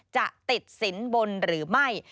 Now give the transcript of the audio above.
จะติดสินบนหรือไม่